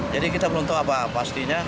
jadi kita belum tahu apa pastinya